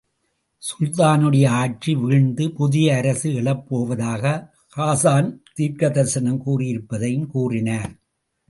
சுல்தானுடைய ஆட்சி வீழ்ந்து புதியஅரசு எழப்போவதாக ஹாஸான் தீர்க்கதரிசனம் கூறியிருப்பதையும் கூறினார்.